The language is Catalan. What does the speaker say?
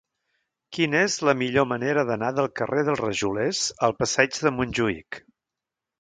Quina és la millor manera d'anar del carrer dels Rajolers al passeig de Montjuïc?